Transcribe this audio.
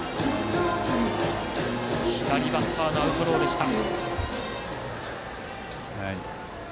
左バッターのアウトローでした。